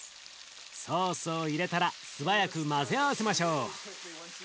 ソースを入れたら素早く混ぜ合わせましょう。